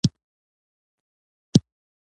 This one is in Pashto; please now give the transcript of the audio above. د ژورې پېژندنې ادعا نه شو کولای.